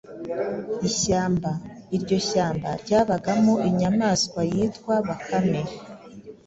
ishyamba. Iryo shyamba ryabagamo inyamaswa yitwa Bakame,